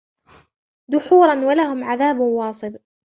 دُحُورًا وَلَهُمْ عَذَابٌ وَاصِبٌ